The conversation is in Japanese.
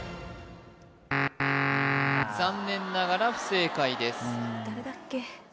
残念ながら不正解です誰だっけ？